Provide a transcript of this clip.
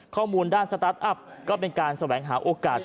ข้อมูลด้านสตาร์ทอัพก็เป็นการแสวงหาโอกาส